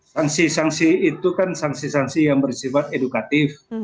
sanksi sanksi itu kan sanksi sanksi yang bersifat edukatif